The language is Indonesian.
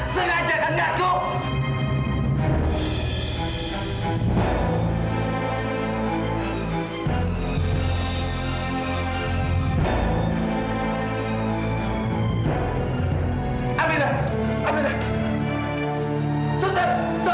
sengaja kan pak prabowo